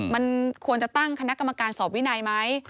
มันควรจะตั้งคณะกรรมการสอบวินัยไหม